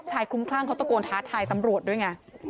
คลุ้มคลั่งเขาตะโกนท้าทายตำรวจด้วยไง